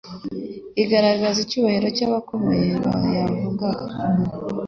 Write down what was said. igaragaza icyubahiro cy'abakomeye bayavugaga